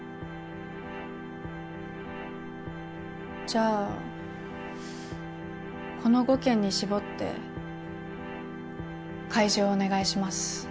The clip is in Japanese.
じゃあこの５件に絞って開示をお願いします。